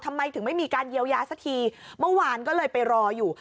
ทำไมถึงไม่มีการเยียวยาสักทีเมื่อวานก็เลยไปรออยู่